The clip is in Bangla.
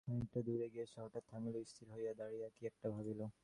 খানিকটা দূরে গিয়া সে হঠাৎ থামিল, স্থির হইয়া দাঁড়াইয়া কী-একটা ভাবিল।